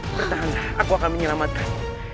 bertahanlah aku akan menyelamatkanmu